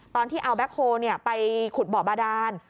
ตอนที่เอาแบ็คโฮลไปขุดบ่อบาดาน